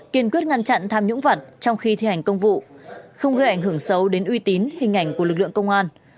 kiên quyết ngăn chặn tham nhũng vật trong khi thi hành công vụ không gây ảnh hưởng xấu đến uy tín hình ảnh của lực lượng công an